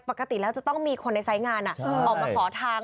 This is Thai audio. ปกติแล้วจะต้องมีคนในไซส์งานออกมาขอทาง